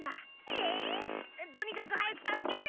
えっ？とにかく早く助けて！